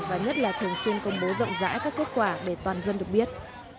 và nhất là thường xuyên công bố rộng rãi các kết quả để toàn dân được biết